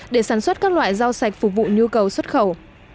để sản xuất các loại rau sạch phục vụ nhu cầu xuất khẩu